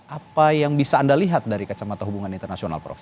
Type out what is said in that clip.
apa yang bisa anda lihat dari kacamata hubungan internasional prof